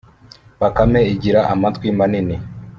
bakame igira amatwi manini